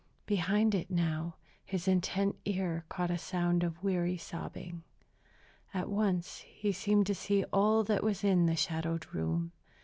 Behind it, now, his intent ear caught a sound of weary sobbing. At once he seemed to see all that was in the shadowed room.